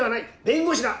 弁護士だ！